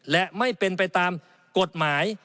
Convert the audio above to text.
และไม่เป็นไปตามกฎหมาย